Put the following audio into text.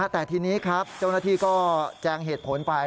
แต่ทีนี้ครับเจ้าหน้าที่ก็แจงเหตุผลไป